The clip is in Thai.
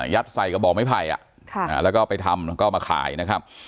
ยัดใส่กระบอกไม่ไผ่อ่ะแล้วก็ไปทำก็มาขายนะครับ